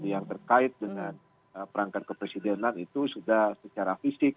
yang terkait dengan perangkat kepresidenan itu sudah secara fisik